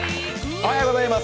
おはようございます。